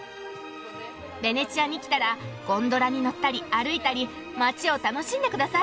ベネチアに来たらゴンドラに乗ったり歩いたり街を楽しんでください。